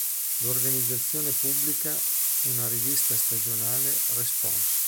L'organizzazione pubblica una rivista stagionale, "Response".